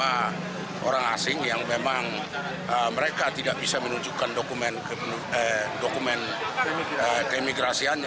ada orang asing yang memang mereka tidak bisa menunjukkan dokumen keimigrasiannya